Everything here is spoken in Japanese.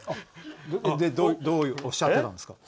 どうおっしゃってたんですか？